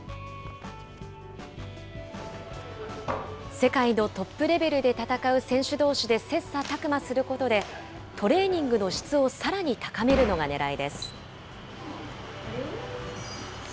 世界のトップレベルで戦う選手どうしで切さたく磨することで、トレーニングの質をさらに高めるのがねらいです。